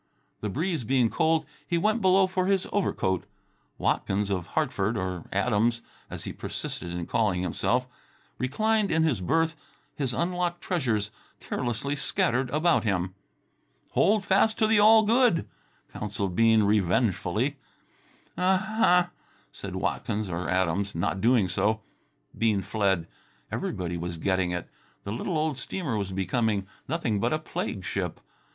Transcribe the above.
The breeze being cold, he went below for his overcoat. Watkins of Hartford or Adams, as he persisted in calling himself reclined in his berth, his unlocked treasures carelessly scattered about him. "Hold fast to the all good," counselled Bean revengefully. "Uh hah!" said Watkins or Adams, not doing so. Bean fled. Everybody was getting it. The little old steamer was becoming nothing but a plague ship.